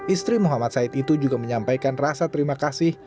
istri muhammad said itu juga menyampaikan rasa terima kasih